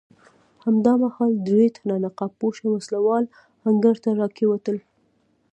همدا مهال درې تنه نقاب پوشه وسله وال انګړ ته راکېوتل.